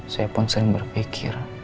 saya pun sering berpikir